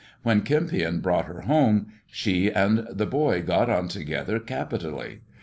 When Kempion brought her home, she and boy got on together capitally.